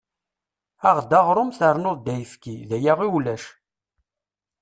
Aɣ-d aɣrum ternu-d ayefki, d aya i ulac.